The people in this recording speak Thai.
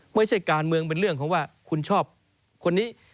ไม่ใช่การเมืองเป็นเรื่องของว่าคุณชอบคนนี้